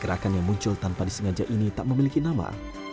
gerakan yang muncul tanpa disengaja ini tak memiliki nama